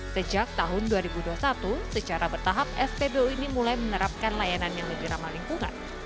sejak tahun dua ribu dua puluh satu secara bertahap spbu ini mulai menerapkan layanan yang lebih ramah lingkungan